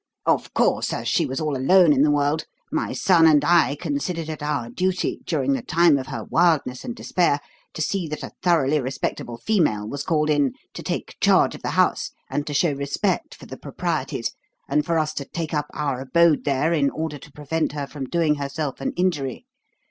Of course as she was all alone in the world, my son and I considered it our duty, during the time of her wildness and despair, to see that a thoroughly respectable female was called in to take charge of the house and to show respect for the proprieties, and for us to take up our abode there in order to prevent her from doing herself an injury.